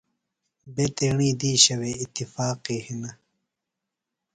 بےۡ تیݨی دِیشہ وے اتفاق کی ہِنہ۔